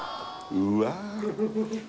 うわ